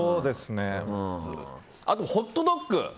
あと、ホットドッグ。